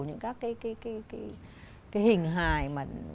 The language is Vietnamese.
những các cái hình hài